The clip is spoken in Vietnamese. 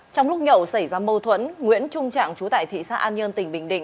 trong lúc nhậu xảy ra mâu thuẫn nguyễn trung trạng chú tại thị xã an nhơn tỉnh bình định